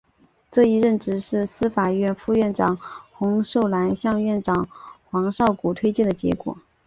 这一任职是司法院副院长洪寿南向院长黄少谷推荐的结果。